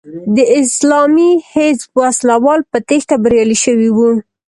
د اسلامي حزب وسله وال په تېښته بریالي شوي وو.